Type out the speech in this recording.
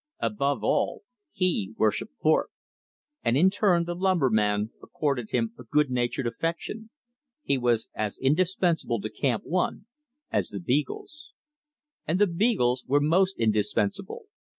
Above all, he worshipped Thorpe. And in turn the lumberman accorded him a good natured affection. He was as indispensable to Camp One as the beagles. And the beagles were most indispensable.